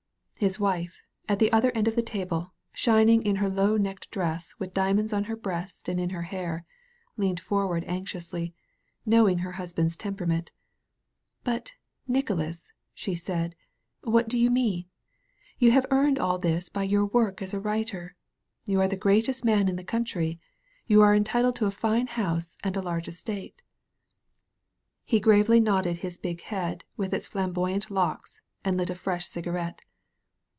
His wife, at the other end of the table, shining in her low necked dress with diamonds on her breast and in her hair, leaned forward anxiously, knowing her husband's temperament. But, Nicholas," she said, 'Vhat do you mean? You have earned all this by your work as a writer. You are the greatest man in the country. You are entitled to a fine house and a large estate." He gravely nodded his big head with its flam boyant locks, and lit a fresh cigarette.